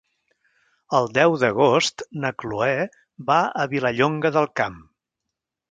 El deu d'agost na Cloè va a Vilallonga del Camp.